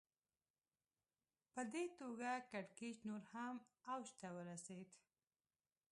په دې توګه کړکېچ نور هم اوج ته ورسېد